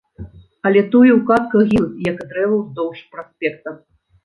Але туі ў кадках гінуць, як і дрэвы ўздоўж праспекта.